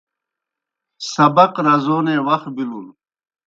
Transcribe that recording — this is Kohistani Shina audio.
سبق رزونے وخ بِلُن۔